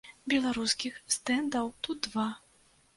Беларускіх стэндаў тут два.